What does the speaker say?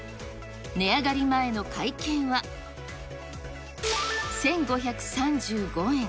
値上がり前の会計は、１５３５円。